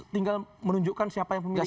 tinggal menunjukkan siapa yang pemikirkan